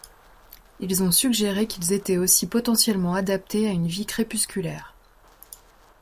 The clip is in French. Ils ont suggéré qu'ils étaient ainsi potentiellement adaptés à une vie crépusculaire.